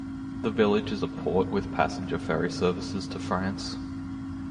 The village is a port with passenger ferry services to France.